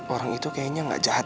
orang itu kayaknya gak jahat